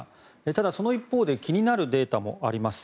ただ、その一方で気になるデータもあります。